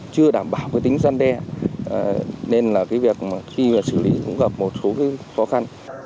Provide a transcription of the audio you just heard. chưa đảm bảo tính gian đe nên việc xử lý cũng gặp một số khó khăn